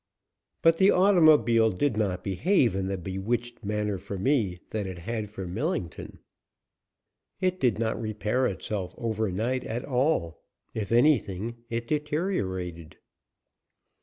But the automobile did not behave in the bewitched manner for me that it had for Millington. It did not repair itself over night at all. If anything it deteriorated.